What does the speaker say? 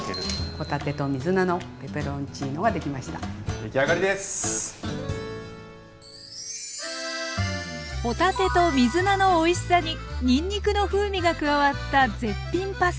帆立てと水菜のおいしさににんにくの風味が加わった絶品パスタ。